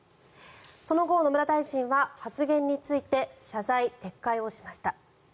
その後、野村大臣は発言について謝罪・撤回をしました。